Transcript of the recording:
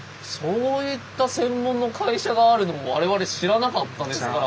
そういった専門の会社があるのも我々知らなかったですから。